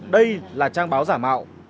đây là trang báo giả mạo